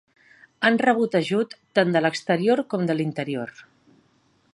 Han rebut ajut tant de l'exterior com de l'interior.